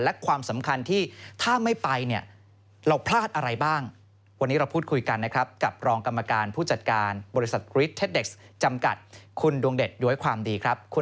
ด้วยความดีครับคุณองเดชน์สวัสดีครับ